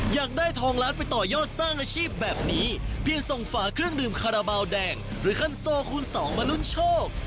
อยากได้ทองล้านไปต่อยอดสร้างอาชีพแบบนี้เพียงส่งฝาเครื่องดื่มคาราบาลแดงหรือคันโซคูณสองมาลุ้นโชค